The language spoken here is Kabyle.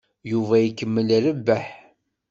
Yuba ikemmel irebbeḥ.